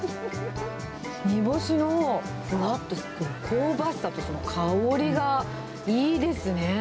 煮干しのふわっとした香ばしさと香りがいいですね。